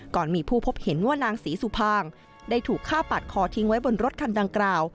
ก่อนมีผู้พบเห็นว่านางศรีสุภางได้ถูกฆ่าปาดคอทิ้งไว้บนรถคันดังกล่าว